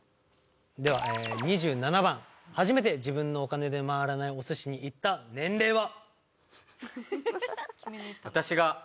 では２７番私が初めて自分のお金で回らないお寿司に行った年齢は。